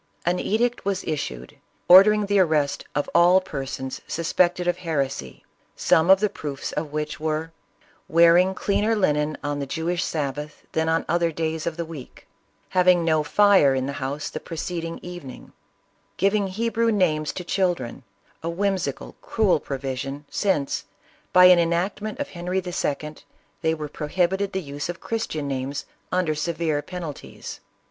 An edict was issued, ordering the arrest of all per sons suspected of heresy, some t>f the proofs of which were, " wearing cleaner linen on the Jewish sabbath than on other days of the week ; having no fire in the house the preceding evening; giving Hebrew names to children, a whimsical, cruel provision, since, by an enactment of Henry II., they were prohibited the use of Christian names, under severe penalties."